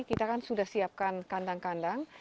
kita kan sudah siapkan kandang kandang